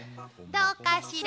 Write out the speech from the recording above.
どうかしら？